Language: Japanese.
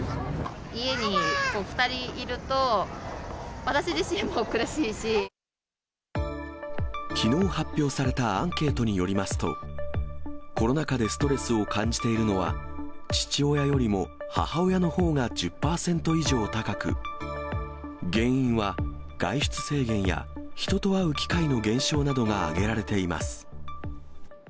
家に２人いると、きのう発表されたアンケートによりますと、コロナ禍でストレスを感じているのは、父親よりも母親のほうが１０％以上高く、原因は外出制限や、人と会う機会の減少などが挙げられています。